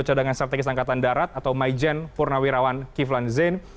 kedua cadangan strategis angkatan darat atau maijen purnawirawan kivlan zeng